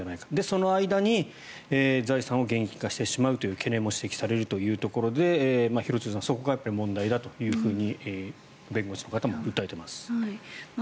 その間に財産を現金化してしまうという懸念も指摘されているということで廣津留さん、そこが問題だと弁護士の方も訴えています。